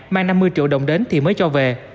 mang năm mươi triệu đồng đến thì mới cho về